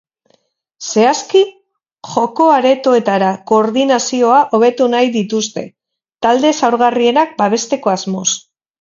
Zehazki, joko-aretoetara koordinazioa hobetu nahi dituzte, talde zaurgarrienak babesteko asmoz.